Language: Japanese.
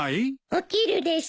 起きるです。